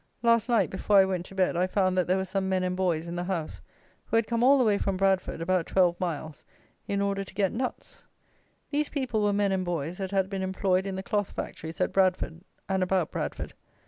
Last night, before I went to bed, I found that there were some men and boys in the house, who had come all the way from Bradford, about twelve miles, in order to get nuts. These people were men and boys that had been employed in the cloth factories at Bradford and about Bradford.